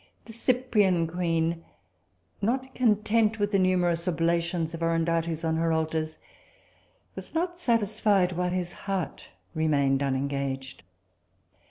The Cyprian queen, not content with the numerous oblations of Orondates on her altars, was not satisfied while his heart remained unengaged.